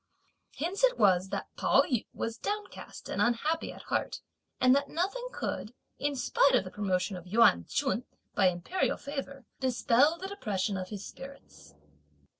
Hence it was that Pao yü was downcast and unhappy at heart, and that nothing could, in spite of the promotion of Yuan Ch'un by imperial favour, dispel the depression of his spirits.